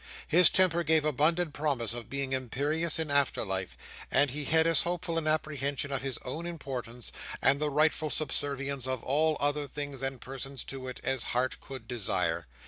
His temper gave abundant promise of being imperious in after life; and he had as hopeful an apprehension of his own importance, and the rightful subservience of all other things and persons to it, as heart could desire.